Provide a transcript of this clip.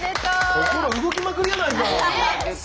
心動きまくりやないか。